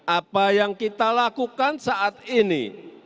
apa yang kita lakukan saat ini